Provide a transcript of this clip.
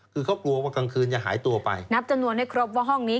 คือเขากลัวว่ากลางคืนจะหายตัวไปนับจำนวนให้ครบว่าห้องนี้